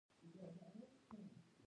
د ویاړ اوښکو ته پرېښود